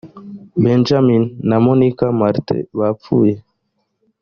benjamin na monica martin bapfuye